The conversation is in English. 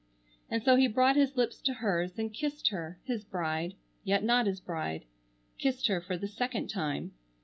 And so he brought his lips to hers, and kissed her, his bride, yet not his bride. Kissed her for the second time.